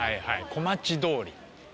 小町通り。